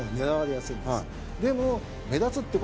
でも。